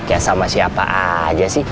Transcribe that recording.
ya sama siapa aja sih